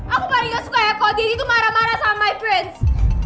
aku paling gak suka ya kau jadi itu marah marah sama my friends